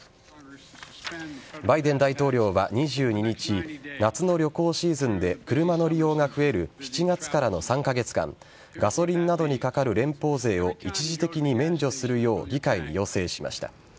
バイデン大統領は２２日夏の旅行シーズンで車の利用が増える７月からの３カ月間ガソリンなどにかかる連邦税を一時的に免除するよう議会に要請しました。